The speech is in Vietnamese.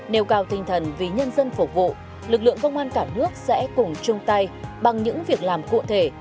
nêu cao tinh thần vì nhân dân phục vụ lực lượng công an cả nước sẽ cùng chung tay bằng những việc làm cụ thể